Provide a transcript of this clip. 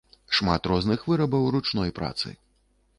Шмат розных вырабаў ручной працы.